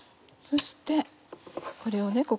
そしてこれをね